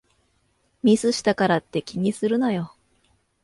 ミスしたからって気にするなよ